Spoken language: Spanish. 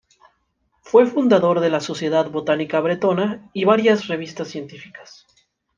Fue el fundador de la "Sociedad Botánica Bretona" y varias revistas científicas.